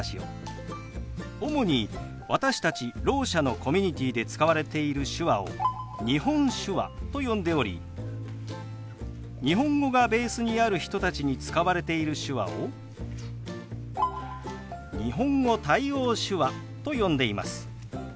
主に私たちろう者のコミュニティーで使われている手話を日本手話と呼んでおり日本語がベースにある人たちに使われている手話を日本語対応手話と呼んでいます。